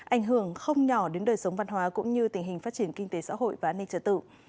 ảnh hưởng không nhỏ đến đời sống văn hóa cũng như tình hình phát triển kinh tế xã hội và an ninh trật tự